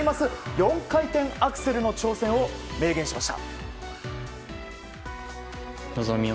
４回転アクセルの挑戦を明言しました。